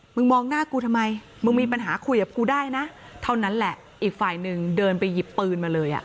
มองหน้ากูทำไมมึงมีปัญหาคุยกับกูได้นะเท่านั้นแหละอีกฝ่ายหนึ่งเดินไปหยิบปืนมาเลยอ่ะ